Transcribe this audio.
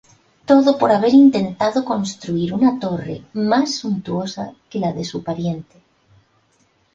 Todo por haber intentado construir una torre más suntuosa que la de su pariente.